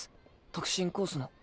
特進コースの。